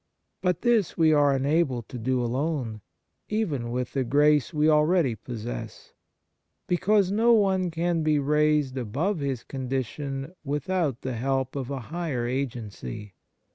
But this we are unable to do alone, even with the grace we already possess, because no one can be raised above his condition without the help of a higher agency.